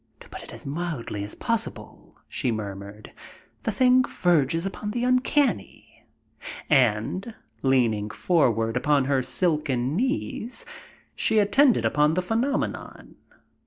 "To put it as mildly as possible," she murmured, "the thing verges upon the uncanny"; and, leaning forward upon her silken knees, she attended upon the phenomenon.